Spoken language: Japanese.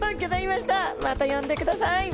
またよんでください。